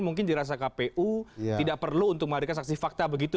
mungkin dirasa kpu tidak perlu untuk menghadirkan saksi fakta begitu